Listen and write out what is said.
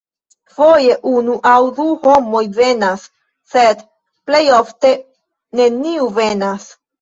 Foje unu aŭ du homoj venas, sed plejofte neniu venas.